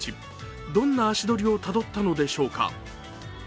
どんな足取りをたどったのでしょうか。